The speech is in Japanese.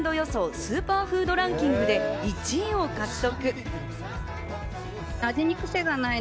スーパーフードランキングで１位を獲得。